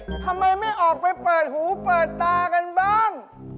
ทำไมไม่ออกไปเปิดหูเปิดตากันบ้าง